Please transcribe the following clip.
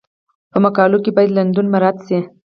په مقالو کې باید لنډون مراعات شي.